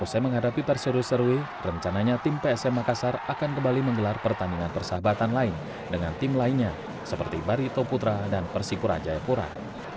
usai menghadapi perseru serui rencananya tim psm makassar akan kembali menggelar pertandingan persahabatan lain dengan tim lainnya seperti barito putra dan persipura jayapura